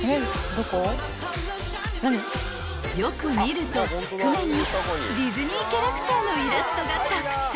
［よく見ると側面にディズニーキャラクターのイラストがたくさん描かれているんです］